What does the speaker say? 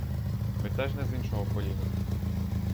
Ми теж не з іншого коліна.